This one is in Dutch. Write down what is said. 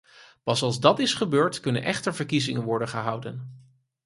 Pas als dat is gebeurd, kunnen echte verkiezingen worden gehouden.